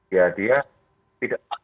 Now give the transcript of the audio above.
ya dia tidak